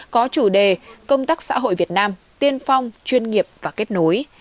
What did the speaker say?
có chủ đề công tác xã hội việt nam tiên phong chuyên nghiệp và kết nối